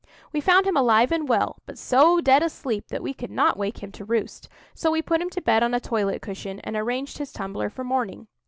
We found him alive and well, but so dead asleep that we could not wake him to roost; so we put him to bed on a toilet cushion, and arranged his tumbler for morning.